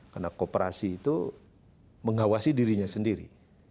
karena kooperasi itu mengawasi dirinya sendiri